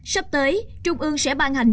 sắp tới trung ương sẽ ban hành